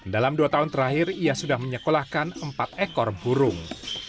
dalam dua tahun terakhir ia sudah menyekolahkan empat ekor burung